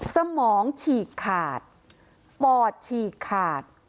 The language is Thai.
สมองฉีกขาดปอดฉีกขาด